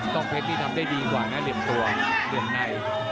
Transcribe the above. เพชรนี่ทำได้ดีกว่านะเหลี่ยมตัวเหลี่ยมใน